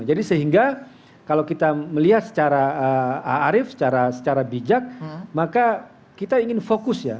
jadi sehingga kalau kita melihat secara a'arif secara bijak maka kita ingin fokus ya